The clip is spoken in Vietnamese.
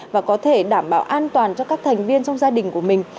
và có thể đảm bảo an toàn cho các thành viên trong gia đình